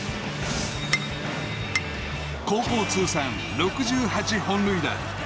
高校通算６８本塁打。